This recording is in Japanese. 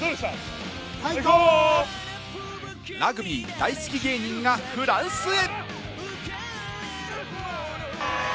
ラグビー大好き芸人がフランスへ。